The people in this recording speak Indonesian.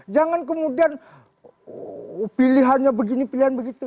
jangan kemudian pilihannya begini pilihan begitu